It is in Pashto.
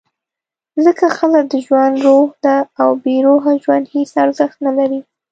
ځکه ښځه د ژوند «روح» ده، او بېروحه ژوند هېڅ ارزښت نه لري.